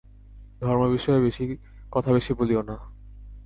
ধর্ম বিষয়ে কথা বেশী বলিও না।